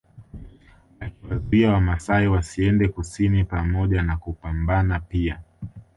Akiwazuia Wamasai wasiende kusini pamoja na kupambana pia